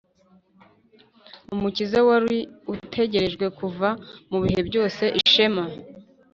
umukiza wari utegerejwe kuva mu bihe byose. ishema